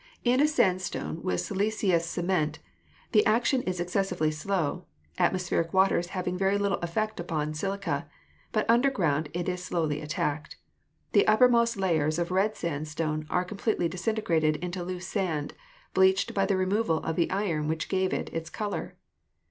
In a sandstone with siliceous cement the action is excessively slow, at mospheric waters having very little effect upon silica, but underground it is slowly attacked. The uppermost layers of red sandstone are completely disintegrated into loose sand, bleached by the removal of the iron which gave it its color.